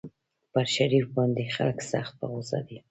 پر شریف باندې خلک سخت په غوسه دي.